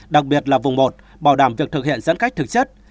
đặc biệt là vùng một bảo đảm việc thực hiện giãn cách thực chất